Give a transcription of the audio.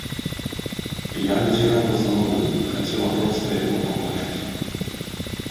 Я назірала за малым, хацела проста яго пабачыць.